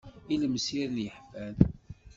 Ilemsiren i yeḥfan.